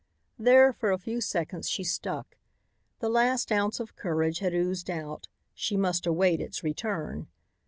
There for a few seconds she stuck. The last ounce of courage had oozed out. She must await its return.